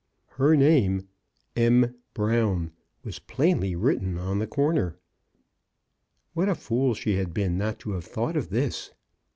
Her name, "M. Brown," was plainly writ ten on the corner. What a fool she had been not to have thought of this